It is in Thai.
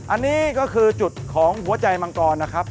อันนี้ก็คือจุดของหัวใจมังกรนะครับ